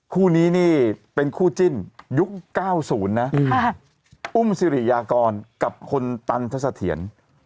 คู่นี้นี่เป็นคู่จิ้นยุค๙๐นะอุ้มสิริยากรกับคนตันทสะเทียน